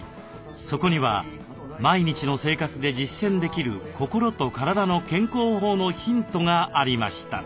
そこには毎日の生活で実践できる心と体の健康法のヒントがありました。